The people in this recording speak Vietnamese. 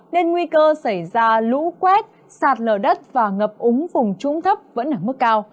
nên nguy cơ xảy ra lũ quét sạt lở đất và ngập úng vùng trũng thấp vẫn ở mức cao